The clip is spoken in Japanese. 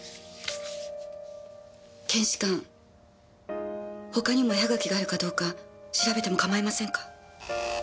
検視官他にも絵はがきがあるかどうか調べても構いませんか？